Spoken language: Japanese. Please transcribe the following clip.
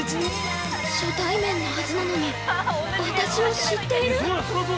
◆初対面のはずなのに私を知っている！？